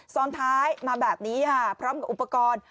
ซ้อนท้ายมาแบบนี้ค่ะพร้อมกับอุปกรณ์